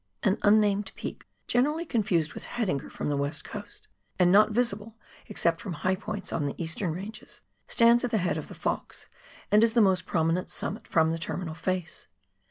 An unnamed peak, generally confused with Haidinger from the "West Coast, and not visible except from high points on the eastern ranges, stands at the head of the Fox and is the most prominent summit from the terminal face.